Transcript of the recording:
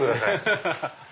ハハハ。